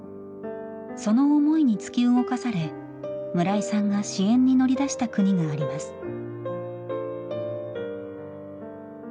その思いに突き動かされ村井さんが支援に乗り出した国があります。